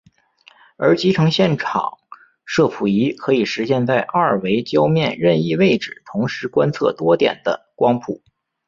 而集成视场摄谱仪可以实现在二维焦面任意位置同时观测多点的光谱。